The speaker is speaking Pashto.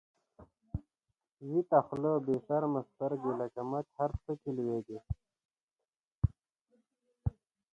ويته خوله بی شرمه شرګی، لکه مچ هر څه کی لويږی